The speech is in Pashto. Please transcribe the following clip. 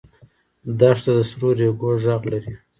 دښته د سرو ریګو غږ لري.